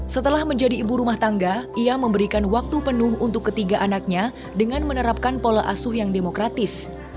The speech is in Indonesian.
setelah menjadi ibu rumah tangga ia memberikan waktu penuh untuk ketiga anaknya dengan menerapkan pola asuh yang demokratis